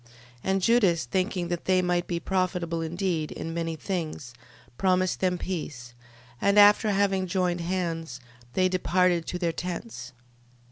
12:12. And Judas thinking that they might be profitable indeed in many things, promised them peace, and after having joined hands, they departed to their tents.